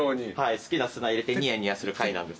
好きな砂入れてニヤニヤする会なんです。